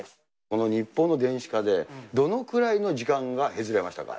この日報の電子化で、どのくらいの時間が削れましたか？